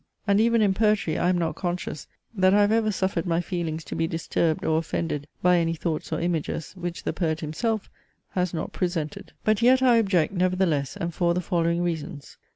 And even in poetry I am not conscious, that I have ever suffered my feelings to be disturbed or offended by any thoughts or images, which the poet himself has not presented. But yet I object, nevertheless, and for the following reasons.